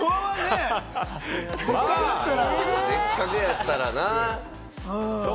せっかくやったらな！